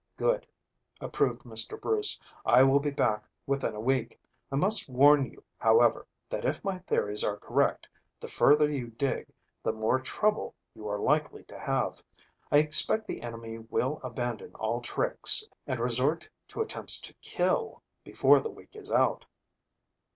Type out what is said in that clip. "Good," approved Mr. Bruce, "I will be back within a week. I must warn you, however, that if my theories are correct the further you dig the more trouble you are likely to have. I expect the enemy will abandon all tricks and resort to attempts to kill before the week is out."